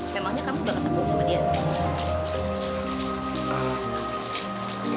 memangnya kamu udah ketemu sama dia